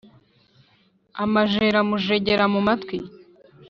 Amajeri amujegera mu matwi